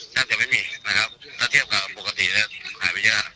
แทบจะไม่มีนะครับถ้าเทียบกับปกตินะฮะหายไปเยอะครับ